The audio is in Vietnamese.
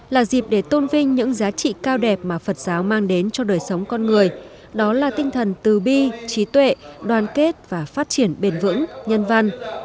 là dịp để tôn vinh những giá trị cao đẹp mà phật giáo mang đến cho đời sống con người đó là tinh thần tư bi trí tuệ đoàn kết và phát triển bền vững nhân văn